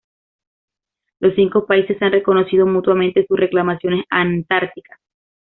Los cinco países se han reconocido mutuamente sus reclamaciones antárticas.